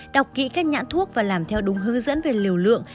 đọc kỹ các nhãn thuốc và làm theo đúng hướng dẫn về liều lượng